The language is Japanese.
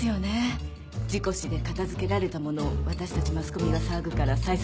事故死で片付けられたものをわたしたちマスコミが騒ぐから再捜査ってね。